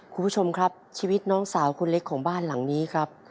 คุณผู้ชมครับชีวิตน้องสาวคนเล็กของบ้านหลังนี้ครับ